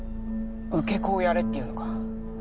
受け子をやれっていうのか？